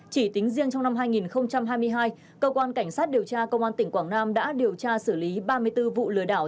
chỉ tính riêng trong năm hai nghìn hai mươi hai cơ quan cảnh sát điều tra công an tỉnh quảng nam đã điều tra xử lý ba mươi bốn vụ lừa đảo